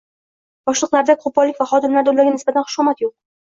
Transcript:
Boshliqlarda qoʻpollik va xodimlarda ularga nisbatan xushomad yoʻq...